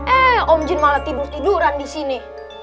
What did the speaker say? eh om jin malah tidur tiduran disini